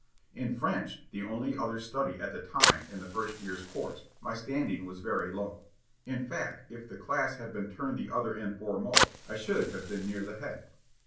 In French, the only other study at that time in the first year's course, my standing was very low. In fact, if the class had been turned the other end foremost, I should have been near the head."